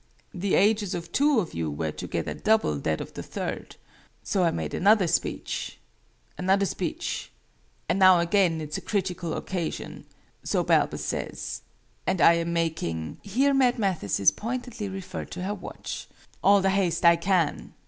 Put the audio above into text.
The ages of two of you were together double that of the third. So I made another speech another speech. And now again it's a critical occasion so Balbus says and I am making " (Here Mad Mathesis pointedly referred to her watch) "all the haste I can!"